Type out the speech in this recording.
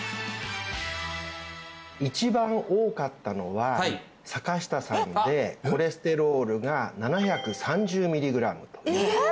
一番多かったのは坂下さんでコレステロールが７３０ミリグラムえっ！？